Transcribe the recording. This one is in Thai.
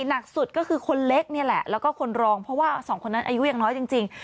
หนักสุดก็คือคนเล็กนี่แหละแล้วก็คนรองเพราะว่าสองคนนั้นอายุยังน้อยจริง